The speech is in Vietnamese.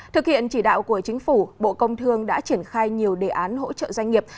thực hiện chỉ đạo của chính phủ bộ công thương đã triển khai nhiều đề án hỗ trợ doanh nghiệp